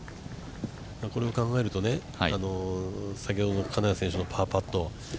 これを考えると先ほどの金谷選手のパーパット。